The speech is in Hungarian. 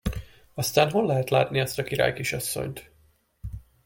Aztán hol lehet látni azt a királykisasszonyt?